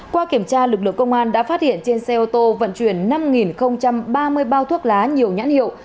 qua kiểm tra lực lượng công an đã phát hiện trên xe ô tô vận chuyển năm ba mươi bao thuốc lá nhiều nhãn hiệu